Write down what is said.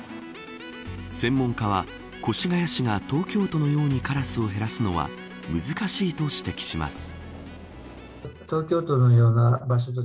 専門家は越谷市が東京都のようにカラスを減らすのは難しいと指摘します。